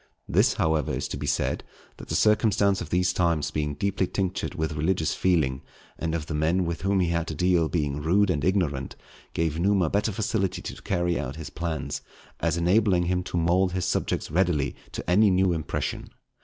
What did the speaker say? This, however, is to be said, that the circumstance of these times being deeply tinctured with religious feeling, and of the men with whom he had to deal being rude and ignorant, gave Numa better facility to carry out his plans, as enabling him to mould his subjects readily to any new impression.